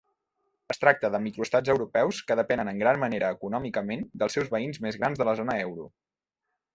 Es tracta de microestats europeus que depenen en gran manera econòmicament dels seus veïns més grans de la zona euro.